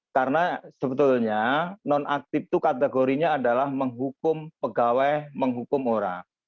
karena sebetulnya nonaktif itu kategorinya adalah menghukum pegawai menghukum orang